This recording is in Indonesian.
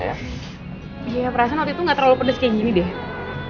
ya perasaan waktu itu gak terlalu pedes kayak gini deh